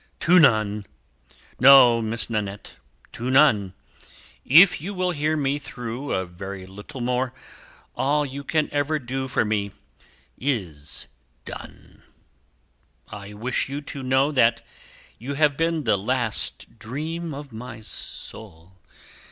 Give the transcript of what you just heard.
"To none. No, Miss Manette, to none. If you will hear me through a very little more, all you can ever do for me is done. I wish you to know that you have been the last dream of my soul.